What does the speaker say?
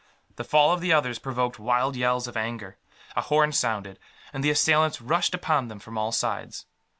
The fall of the others provoked wild yells of anger. A horn sounded, and the assailants rushed upon them from all sides.